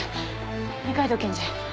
二階堂検事。